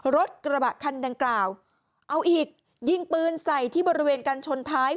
รถกระบะคันดังกล่าวเอาอีกยิงปืนใส่ที่บริเวณกันชนท้าย